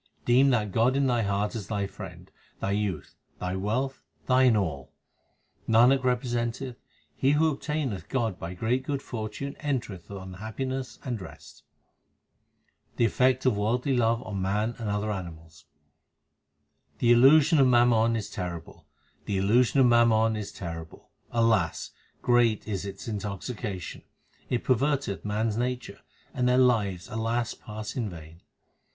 Deem that God in thy heart as thy friend, thy youth, thy wealth, thine all. Nanak representeth, he who obtaineth God by great good fortune enter eth on happiness and rest. The effect of worldly love on man and other animals : The illusion of mammon is terrible, 1 the illusion of mam 1 Also translated A wall between God and man. 328 THE SIKH RELIGION mon is terrible ; alas ! great is its intoxication, it perverteth men s natures, and their lives, alas ! pass in vain.